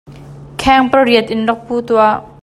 Kheng pariat in rak pu tuah.